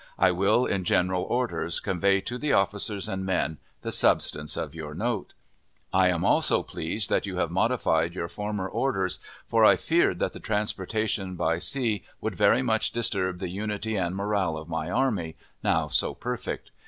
I will, in general orders, convey to the officers and men the substance of your note. I am also pleased that you have modified your former orders, for I feared that the transportation by sea would very much disturb the unity and morale of my army, now so perfect.